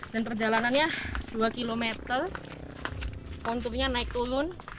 dan perjalanannya dua km konturnya naik turun